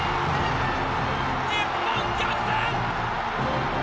日本逆転。